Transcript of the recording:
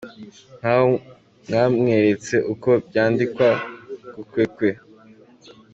Nk'aho mwamweretse uko byandikwa ngo kwekwe!.